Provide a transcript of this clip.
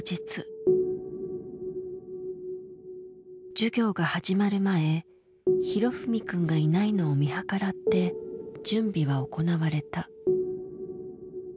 授業が始まる前裕史くんがいないのを見計らって準備は行われた。